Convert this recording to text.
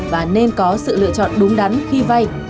và nên có sự lựa chọn đúng đắn khi vay